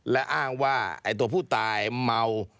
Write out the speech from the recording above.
และอ้างว่าไอ้ตัวผู้ตายเมา